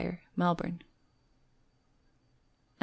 Melbourne. No.